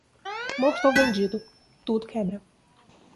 Morto ou vendido, tudo quebra.